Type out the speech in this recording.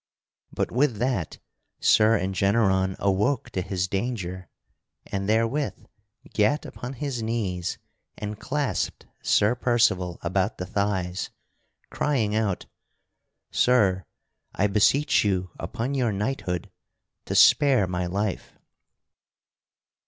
But with that Sir Engeneron awoke to his danger, and therewith gat upon his knees and clasped Sir Percival about the thighs, crying out: "Sir, I beseech you upon your knighthood to spare my life."